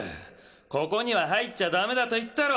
ここにははいっちゃダメだといったろ？